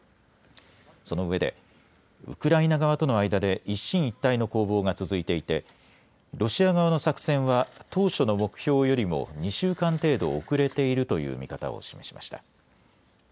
そのうえでウクライナ側との間で一進一退の攻防が続いていてロシア側の作戦は当初の目標よりも２週間程度遅れているという見方を示しました。